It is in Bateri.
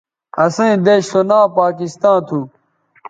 اسئیں دیݜ سو ناں پاکستاں تھو